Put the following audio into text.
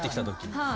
はい。